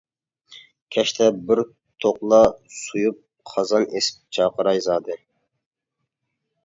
كەچتە بىر توقلا سويۇپ قازان ئېسىپ چاقىراي زادى.